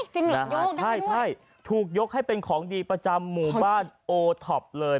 นะฮะใช่ถูกยกให้เป็นของดีประจำหมู่บ้านโอท็อปเลย